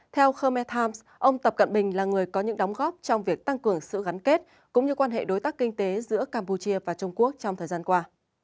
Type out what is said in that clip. theo kherm methams ông tập cận bình là người có những đóng góp trong việc tăng cường sự gắn kết cũng như quan hệ đối tác kinh tế giữa campuchia và trung quốc trong thời gian qua